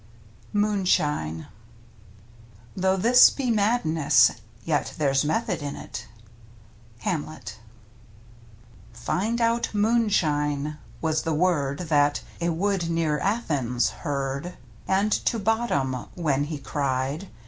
L " MOONSHINE " Though this be madness, yet there's method in it. — Hamlet. " Find out moonshine " was the word That " a wood near Athens " heard; And to Bottom, when he cried.